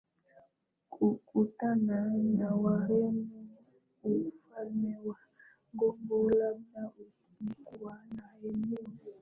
kukutana na Wareno Ufalme wa Kongo labda ulikuwa na eneo